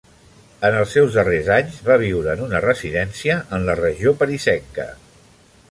En els seus darrers anys va viure en una residència en la regió parisenca.